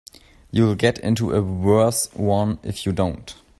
You'll get into a worse one if you don't.